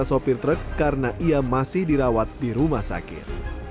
sopir truk karena ia masih dirawat di rumah sakit